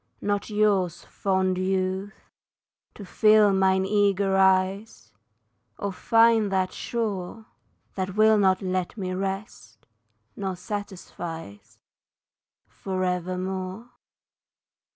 Not yours, fond youth, to fill mine eager eyes Or find that shore That will not let me rest, nor satisfies For evermore.